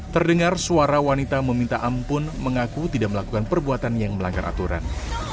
terdengar suara wanita meminta ampun mengaku tidak melakukan perbuatan yang melanggar aturan